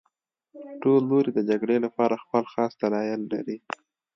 ټول لوري د جګړې لپاره خپل خاص دلایل لري